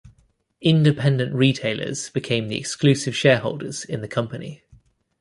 Independent retailers became the exclusive shareholders in the company.